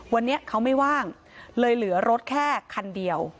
วันนี้เขาไม่ว่างเลยเหลือรถแค่คันเดียว